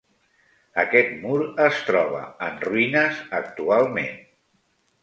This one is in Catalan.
Aquest mur es troba en ruïnes actualment.